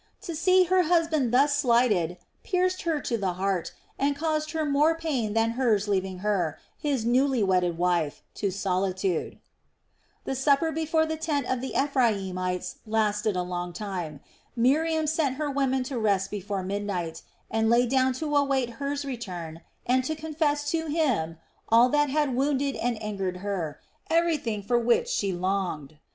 To see her husband thus slighted pierced her to the heart and caused her more pain than Hur's leaving her, his newly wedded wife, to solitude. The supper before the tent of the Ephraimites lasted a long time. Miriam sent her women to rest before midnight, and lay down to await Hur's return and to confess to him all that had wounded and angered her, everything for which she longed.